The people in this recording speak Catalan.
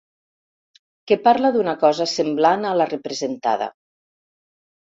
Que parla d'una cosa semblant a la representada.